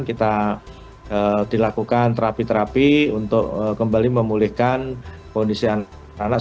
kita dilakukan terapi terapi untuk kembali memulihkan kondisi anak